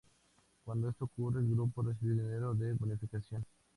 Cuando esto ocurrió, el grupo recibió dinero de bonificación.